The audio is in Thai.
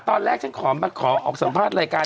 ตอนแรกฉันขอมาขอออกสัมภาษณ์รายการ